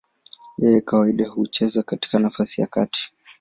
Yeye kawaida hucheza kwenye nafasi ya katikati.